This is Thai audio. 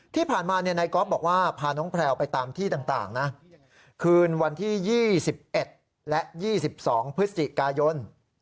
นายก๊อฟบอกว่าพาน้องแพลวไปตามที่ต่างนะคืนวันที่๒๑และ๒๒พฤศจิกายน